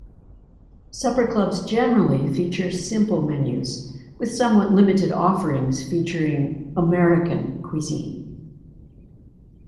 Supper clubs generally feature "simple" menus with somewhat limited offerings featuring "American" cuisine.